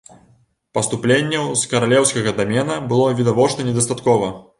Паступленняў з каралеўскага дамена было відавочна недастаткова.